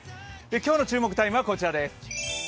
今日の注目タイムはこちらです。